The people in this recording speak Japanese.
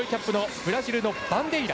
ブラジルのバンデイラ。